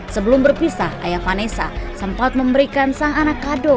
sebelum berpisah ayah vanessa sempat memberikan sang anak kado